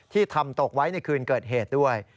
ที่ทำตกไว้ในคืนเกิดเหตุด้วย